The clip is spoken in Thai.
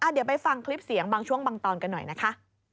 เดี๋ยวไปฟังคลิปเสียงบางช่วงบางตอนกันหน่อยนะคะ